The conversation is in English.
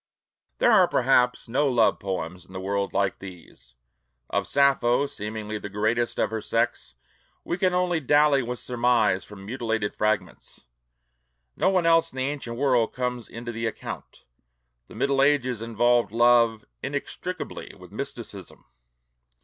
There are perhaps no love poems in the world like these. Of Sappho, seemingly the greatest poet of her sex, we can only dally with surmise from mutilated fragments. No one else in the ancient world comes into the account. The Middle Ages involved love inextricably with mysticism.